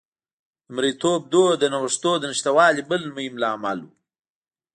د مریتوب دود د نوښتونو د نشتوالي بل مهم لامل و